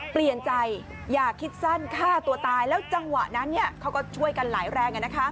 เปลี่ยนใจอย่าคิดสั้นฆ่าตัวตายแล้วจังหวะนั้นเขาก็ช่วยกันหลายแรง